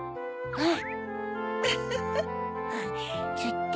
うん！